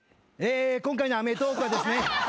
今回の『アメトーーク！』はですね